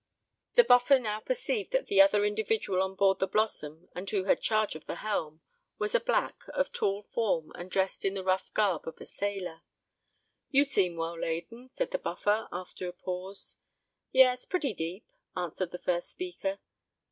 The Buffer now perceived that the other individual on board the Blossom, and who had charge of the helm, was a Black, of tall form, and dressed in the rough garb of a sailor. "You seem well laden," said the Buffer, after a pause. "Yes—pretty deep," answered the first speaker.